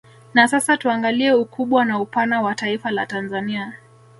Na sasa tuangalie ukubwa na upana wa Taifa la Tanzania